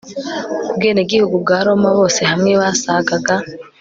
ubwenegihugu bwa roma, bose hamwe basagaga